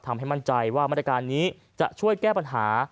ทำให้มั่นใจว่ามาตรการนี้จะช่วยแก้ปัญหา